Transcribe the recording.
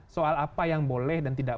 soal apa yang boleh dan tidak